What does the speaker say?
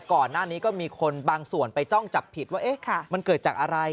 ก่อนหน้านี้ก็มีคนบางส่วนไปจ้องจับผิดว่ามันเกิดจากอะไร